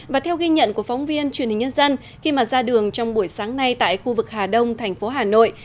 và theo ghi nhận của phóng viên truyền hình nhân dân khi mà ra đường trong buổi sáng nay tại khu vực hà đông thành phố hà nội